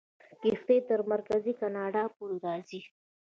کښتۍ تر مرکزي کاناډا پورې راځي.